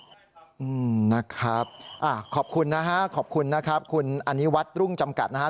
อืมนะครับอ่าขอบคุณนะฮะขอบคุณนะครับคุณอนิวัฒน์รุ่งจำกัดนะฮะ